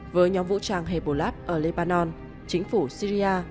với nhóm vũ trang hebolab ở lebanon chính phủ syria